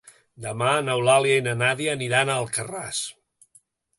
Demà n'Eulàlia i na Nàdia aniran a Alcarràs.